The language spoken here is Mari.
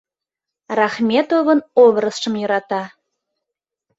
Рахметовын образшым йӧрата.